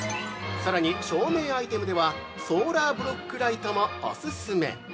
◆さらに、照明アイテムではソーラーブロックライトもお勧め。